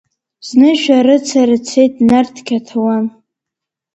Зны шәарацара дцеит Нарҭ Қьаҭауан…